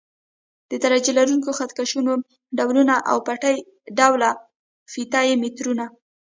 د درجه لرونکو خط کشونو ډولونه او پټۍ ډوله فیته یي مترونه.